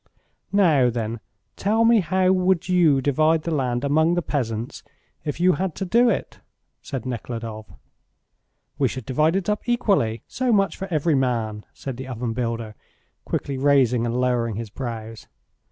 "Now, then, tell me how would you divide the land among the peasants if you had to do it?" said Nekhludoff. "We should divide it up equally, so much for every man," said the oven builder, quickly raising and lowering his brows.